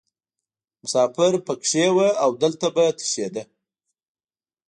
مسافر پکې وو او دلته به تشیده.